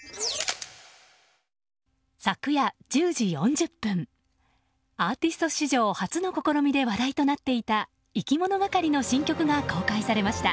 昨夜１０時４０分アーティスト史上初の試みで話題となっていたいきものがかりの新曲が公開されました。